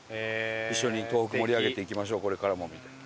「一緒に東北盛り上げていきましょうこれからも」みたいな。